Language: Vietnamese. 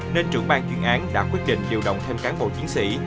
nên trưởng ban chuyên án đã quyết định điều động thêm cán bộ chiến sĩ